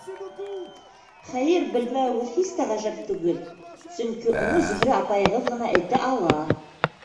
Хәйер, белмәүегеҙ һис тә ғәжәп түгел, сөнки уны Зөһрә апайығыҙ ғына әйтә ала.